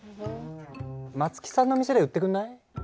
松木さんの店で売ってくんない？